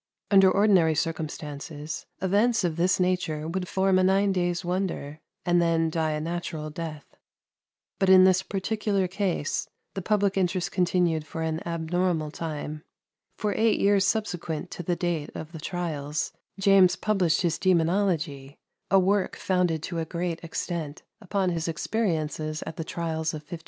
Under ordinary circumstances, events of this nature would form a nine days' wonder, and then die a natural death; but in this particular case the public interest continued for an abnormal time; for eight years subsequent to the date of the trials, James published his "Daemonologie" a work founded to a great extent upon his experiences at the trials of 1590.